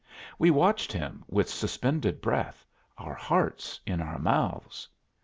We watched him with suspended breath, our hearts in our mouths.